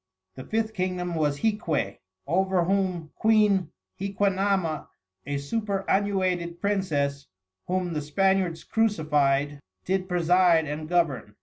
The Fifth Kingdom was Hiquey, over whom Queen Hiquanama, a superannuated Princess, whome the Spaniards Crucified, did preside and Govern.